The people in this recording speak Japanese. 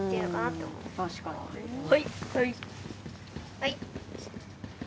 はい！